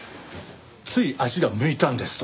つい足が向いたんですと。